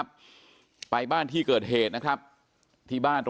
เป็นมีดปลายแหลมยาวประมาณ๑ฟุตนะฮะที่ใช้ก่อเหตุ